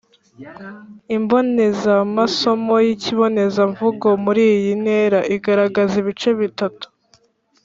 Imbonezamasomo y’ikibonezamvugo muri iyi ntera igaragaza ibice bitatu: